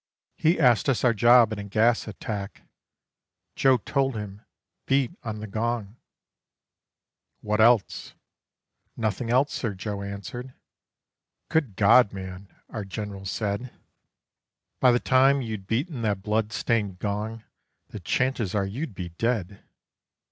He asked us our job in a gas attack. Joe told him, 'Beat on the gong.' 'What else?' 'Nothing else, sir,' Joe answered. 'Good God, man,' our General said, 'By the time you'd beaten that bloodstained gong the chances are you'd be dead.